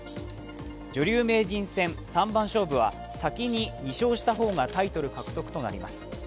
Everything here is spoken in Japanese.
女流名人戦三番勝負は、先に２勝した方がタイトル獲得となります。